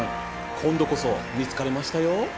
今度こそ見つかりましたよ。